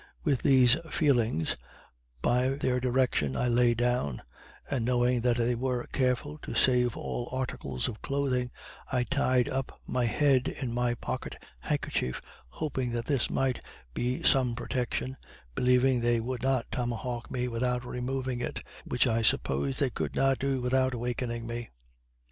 With these feelings, by their direction I lay down, and knowing that they were careful to save all articles of clothing, I tied up my head in my pocket handkerchief, hoping that this might be some protection, believing that they would not tomahawk me without removing it, which I supposed they could not do without awaking me.